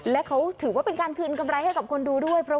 และเขาถือว่าเป็นการคืนกำไรให้กับคนดูด้วย